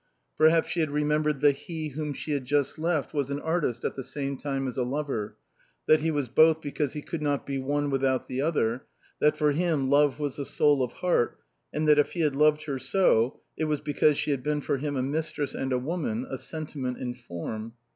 Perhaps she had re membered that he whom she had Just left, was an artist at the same time as a lover, that he was both because he could not be one without the other, that for him love was the soul of art and that if he had loved her so, it was because she had been for him a woman and a mistress, a sentiment in a form.